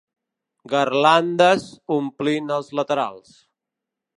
Garlandes omplin els laterals.